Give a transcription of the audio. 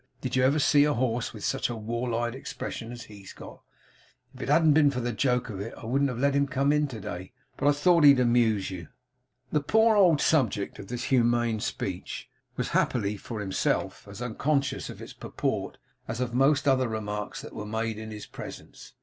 Did you ever see a horse with such a wall eyed expression as he's got? If it hadn't been for the joke of it I wouldn't have let him come in to day; but I thought he'd amuse you.' The poor old subject of this humane speech was, happily for himself, as unconscious of its purport as of most other remarks that were made in his presence.